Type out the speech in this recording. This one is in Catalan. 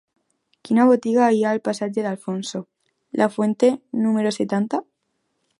Quina botiga hi ha al passatge d'Alfonso Lafuente número setanta?